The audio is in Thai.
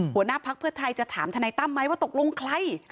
หัวหน้าพักเพื่อไทยจะถามทนายตั้มไหมว่าตกลงใคร